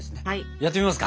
やってみますか。